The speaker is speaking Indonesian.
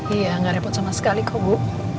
iya nggak repot sama sekali kok bu